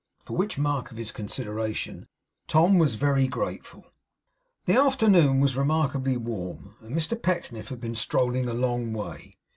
For which mark of his consideration Tom was very grateful. The afternoon was remarkably warm, and Mr Pecksniff had been strolling a long way.